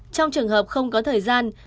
trong trường hợp không có thời gian